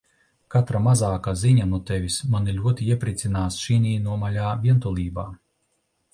Katra mazākā ziņa no Tevis mani ļoti iepriecinās šinī nomaļā vientulībā.